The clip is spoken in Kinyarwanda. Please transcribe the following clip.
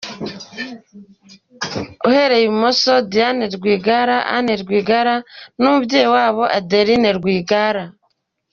Uhereye ibumoso : Diane Rwigara ; Anne Rwigara n’umubyeyi wabo Adeline Rwigara